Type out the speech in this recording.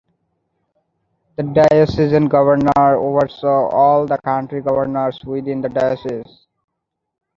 The diocesan governor oversaw all the county governors within the diocese.